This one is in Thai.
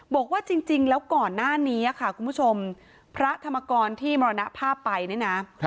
บอกว่าจริงแล้วก่อนหน้านี้ค่ะคุณผู้ชมพระธรรมกรที่มรณภาพไปเนี่ยนะ